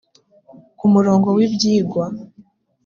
ku murongo w ibyigwa